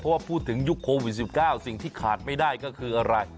เพราะว่าพูดถึงยุคโควิด๑๙สิ่งที่ขาดไม่ได้ก็คืออะไร